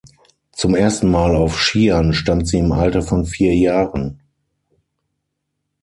Zum ersten Mal auf Skiern stand sie im Alter von vier Jahren.